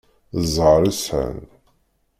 D ẓẓher i sεan.